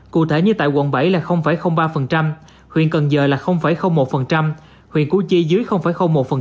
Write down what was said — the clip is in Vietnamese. cụ thể như tại quận bảy là ba huyện cần giờ là một huyện củ chi dưới một